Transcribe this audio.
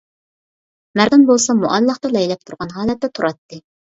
مەردان بولسا مۇئەللەقتە لەيلەپ تۇرغان ھالەتتە تۇراتتى.